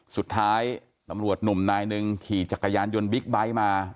สุดท้ายตำรวจหนุ่มนายหนึ่งขี่จักรยานยนต์บิ๊กไบท์มา